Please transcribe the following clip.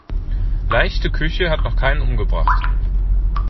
Leichte Küche hat noch keinen umgebracht.